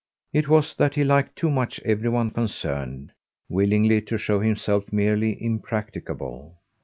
It was that he liked too much every one concerned willingly to show himself merely impracticable.